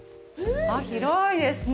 広いですね。